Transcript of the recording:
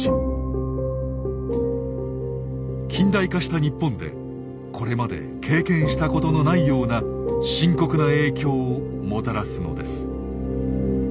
近代化した日本でこれまで経験したことのないような深刻な影響をもたらすのです。